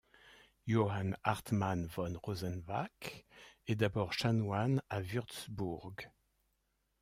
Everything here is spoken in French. Johann Hartmann von Rosenbach est d'abord chanoine à Wurtzbourg.